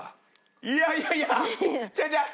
いやいやいや違う違う！